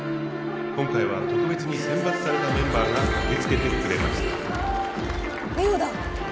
今回は特別に選抜されたメンバーが駆けつけてくれました・れおだ